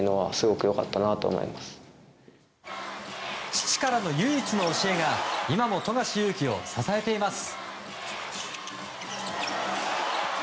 父からの唯一の教えが今も富樫勇樹を支えています。